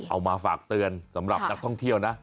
เอามาฝากเตือนสำหรับนักท่องเที่ยวนะ